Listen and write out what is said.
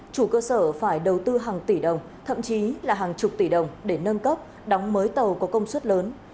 chủ cơ sở phải đầu tư hàng tỷ đồng thậm chí là hàng chục tỷ đồng để nâng cấp đóng mới tàu có công suất lớn